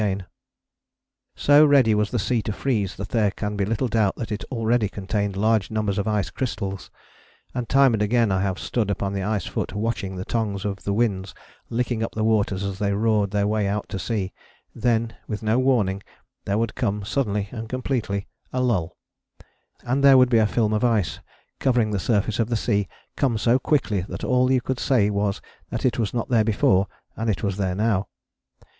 [Illustration: NORTH BAY AND THE BARNE GLACIER] So ready was the sea to freeze that there can be little doubt that it already contained large numbers of ice crystals, and time and again I have stood upon the ice foot watching the tongues of the winds licking up the waters as they roared their way out to sea. Then, with no warning, there would come, suddenly and completely, a lull. And there would be a film of ice, covering the surface of the sea, come so quickly that all you could say was that it was not there before and it was there now.